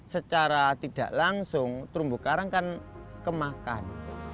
secara tidak langsung terumbu karang kan kemakan